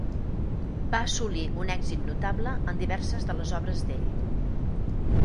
Va assolir un èxit notable en diverses de les obres d'ell.